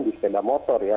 di sepeda motor ya